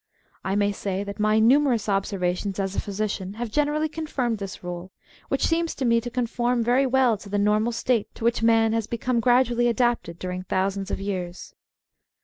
I may say that my numerous observations as a physician have generally confirmed this rule, which seems to me to conform very well to the normal state to which man* has become gradually adapted during thousands of years.